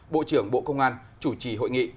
bộ trưởng bộ công an chủ trì hội nghị